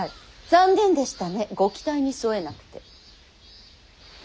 残念でしたねご期待に沿えなくて。